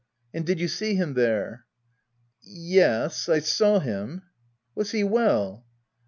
" And did you see him there ?"" Yes — I saw him." " Was he well